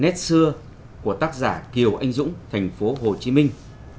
nét xưa của tác giả kiều anh dũng thành phố hồ chí minh